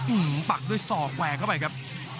ปักด้วยศอกแวงเข้าไปครับ